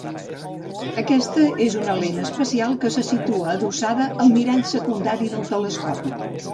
Aquesta és una lent especial que se situa adossada al mirall secundari del telescopi.